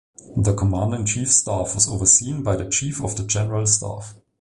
The Commander-in-Chief's staff was overseen by the Chief of the General Staff.